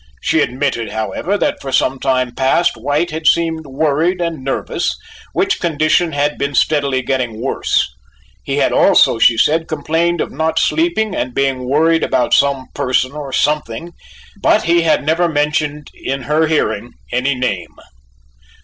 She admitted, however that for some time past, White had seemed worried and nervous, which condition had been steadily getting worse. He had also, she said, complained of not sleeping and being worried about some person or something, but he had never mentioned in her hearing any name.